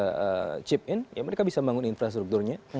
mereka bisa chip in ya mereka bisa membangun infrastruktur nya